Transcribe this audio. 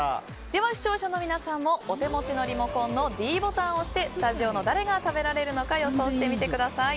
視聴者の皆さんもお手持ちのリモコンのｄボタンを押してスタジオの誰が食べられるのか予想してみてください。